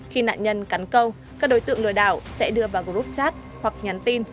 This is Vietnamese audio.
khi nạn nhân cắn câu các đối tượng lừa đảo sẽ đưa vào group chat hoặc nhắn tin